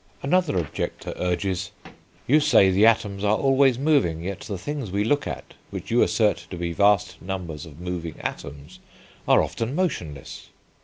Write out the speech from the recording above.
Another objector urges "You say the atoms are always moving, yet the things we look at, which you assert to be vast numbers of moving atoms, are often motionless."